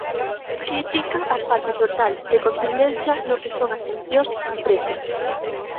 Critica a "falta total de contundencia" no que son as sancións as empresas.